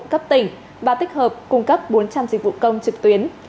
cấp tỉnh và tích hợp cung cấp bốn trăm linh dịch vụ công trực tuyến